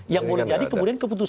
yang boleh jadi kemudian keputusan